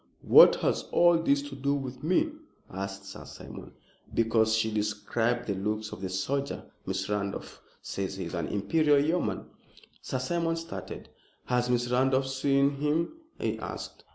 "What has all this to do with me?" asked Sir Simon. "Because she described the looks of the soldier. Miss Randolph says he is an Imperial Yeoman." Sir Simon started. "Has Miss Randolph seen him?" he asked.